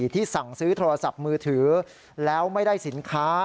ที่สั่งซื้อโทรศัพท์มือถือแล้วไม่ได้สินค้า